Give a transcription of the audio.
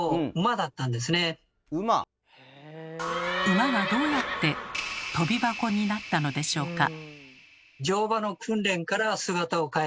馬がどうやってとび箱になったのでしょうか？